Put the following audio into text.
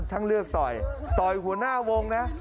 ช่างเลือกต่อยต่อยหัวหน้าวงนะ